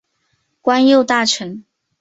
官右大臣。